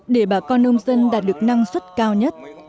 để bà con nông dân đạt được năng suất cao nhất